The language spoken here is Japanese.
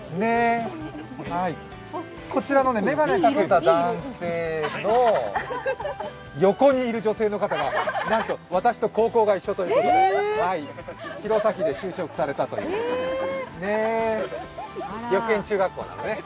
こちらの眼鏡をかけた男性の横にいる女性の方が、なんと私と高校が一緒ということで弘前で就職されたということです。